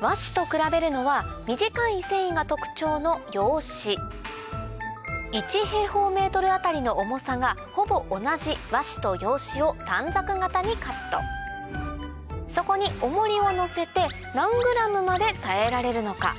和紙と比べるのは短い繊維が特徴の洋紙１平方メートル当たりの重さがほぼ同じ和紙と洋紙を短冊形にカットそこに重りを載せて何ｇまで耐えられるのか？